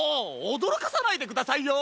おどろかさないでくださいよ！